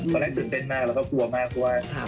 ตอนแรกตื่นเต้นมากแล้วก็กลัวมากเพราะว่า